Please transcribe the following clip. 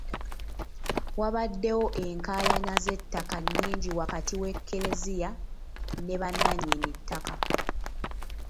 Wabaddewo enkaayana z'ettaka nnyingi wakati w'ekleziya ne bannannyini ttaka.